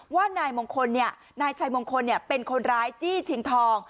ว่านายชัยมงคลเป็นคนร้ายจี้ชิงทอง